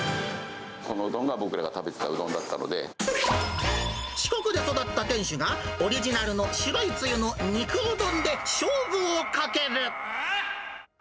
このうどんが、僕らが食べて四国で育った店主が、オリジナルの白いつゆの肉うどんで勝負をかける。